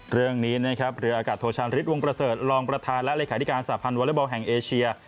เรื่องนี้เรืออากาศโทชันฤทธิ์วงประเสริฐรองประธานและเลยขายที่การสาธารณ์วอเล็กบอลแห่งเอเชีย